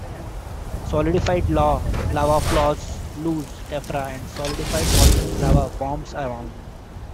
Solidified lava flows, loose tephra, and solidified volcanic lava bombs abound.